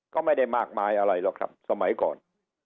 ก็ไม่ได้มากมายอะไรหรอกครับสมัยก่อน